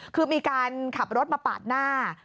คือมีการขับรถมาปาดหน้า